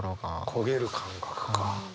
焦げる感覚か。